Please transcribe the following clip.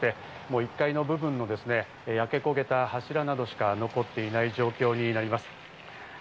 １階の部分の焼け焦げた柱などしか残っていない状況となります。